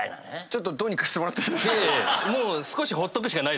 ちょっとどうにかしてもらっていいですか？